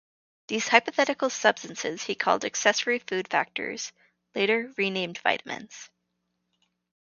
These hypothetical substances he called "accessory food factors", later renamed vitamins.